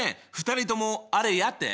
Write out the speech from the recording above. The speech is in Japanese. ２人ともあれやって。